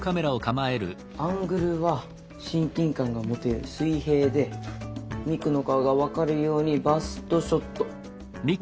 アングルは親近感が持てる水平でミクの顔が分かるようにバストショット。